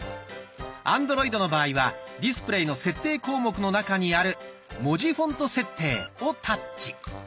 アンドロイドの場合は「ディスプレイ」の設定項目の中にある「文字フォント設定」をタッチ。